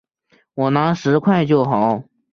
我拿十块就好